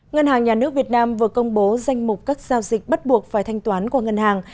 ngân hàng nhà nước việt nam vừa công bố danh mục các giao dịch bắt buộc phải thanh toán qua ngân hàng